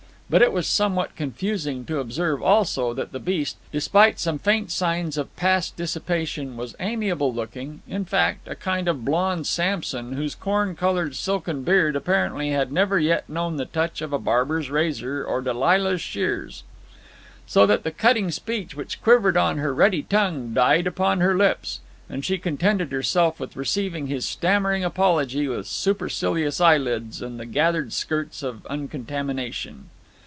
But it was somewhat confusing to observe, also, that the beast, despite some faint signs of past dissipation, was amiable looking in fact, a kind of blond Samson whose corn colored, silken beard apparently had never yet known the touch of barber's razor or Delilah's shears. So that the cutting speech which quivered on her ready tongue died upon her lips, and she contented herself with receiving his stammering apology with supercilious eyelids and the gathered skirts of uncontamination.